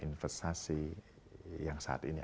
investasi yang saat ini